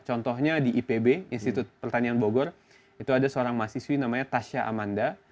contohnya di ipb institut pertanian bogor itu ada seorang mahasiswi namanya tasya amanda